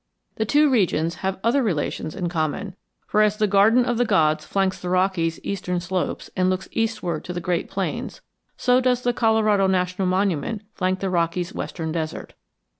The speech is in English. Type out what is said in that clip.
The two regions have other relations in common, for as the Garden of the Gods flanks the Rockies' eastern slopes and looks eastward to the great plains, so does the Colorado National Monument flank the Rockies' western desert.